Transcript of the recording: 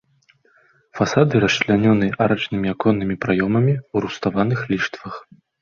Фасады расчлянёны арачнымі аконнымі праёмамі ў руставаных ліштвах.